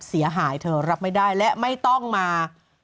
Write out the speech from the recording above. เสียหายเธอรับไม่ได้และไม่ต้องมา